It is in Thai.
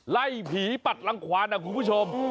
ไล่ผีปัดรังควานนะคุณผู้ชม